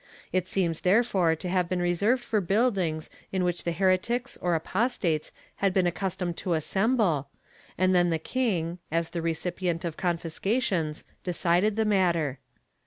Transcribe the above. It seems therefore to have been reserved for buildings in which the heretics or apos tates had been accustomed to assemble, and then the king, as the recipient of confiscations, decided the matter.